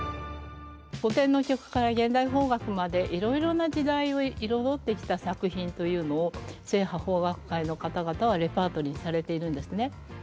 古典の曲から現代邦楽までいろいろな時代を彩ってきた作品というのを正派邦楽会の方々はレパートリーにされているんですね。